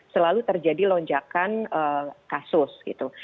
selalu terjadi lonjakan kasus gitu